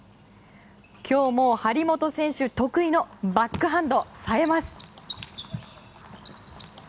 今日も張本選手得意のバックハンドがさえます。